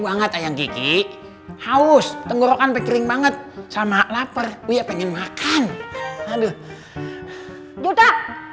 banget ayang kiki haus tenggorokan pekering banget sama laper uya pengen makan aduh yudha